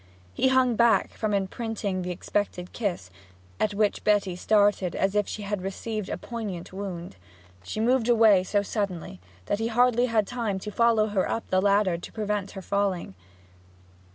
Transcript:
He hung back from imprinting the expected kiss: at which Betty started as if she had received a poignant wound. She moved away so suddenly that he hardly had time to follow her up the ladder to prevent her falling.